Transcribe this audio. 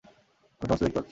আমি সমস্তই দেখতে পাচ্ছি।